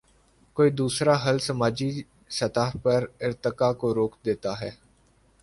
کوئی دوسرا حل سماجی سطح پر ارتقا کو روک دیتا ہے۔